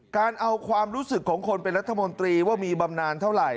การเอาความรู้สึกของคนเป็นรัฐมนตรีว่ามีบำนานเท่าไหร่